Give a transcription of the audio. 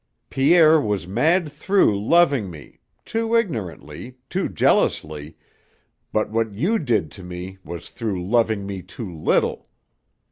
Pierre was mad through loving me, too ignorantly, too jealously, but what you did to me was through loving me too little.